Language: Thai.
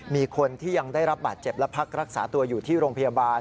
มีคนที่ยังได้รับบาดเจ็บและพักรักษาตัวอยู่ที่โรงพยาบาล